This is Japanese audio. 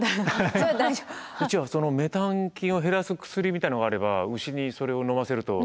じゃあそのメタン菌を減らす薬みたいなのがあれば牛にそれをのませると。